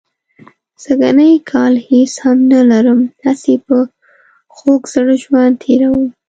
سږنی کال هېڅ هم نه لرم، هسې په خوږ زړه ژوند تېروم.